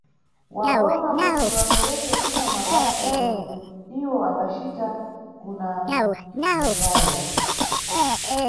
Wa boma kuti apereke bwino mabasa yomwe iwo ambacita kuna mbumbayo.